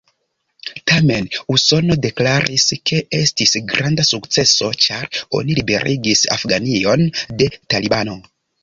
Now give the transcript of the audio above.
Tamen Usono deklaris, ke estis granda sukceso, ĉar oni liberigis Afganion de talibano.